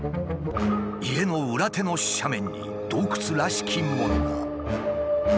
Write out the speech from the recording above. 家の裏手の斜面に洞窟らしきものが。